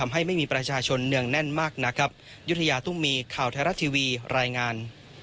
การพักพูดว่าคุณยามจะทำให้ทำได้ไหมครับ